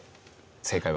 正解は？